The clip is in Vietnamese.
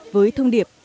với thông điệp